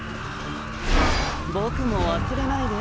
僕も忘れないで。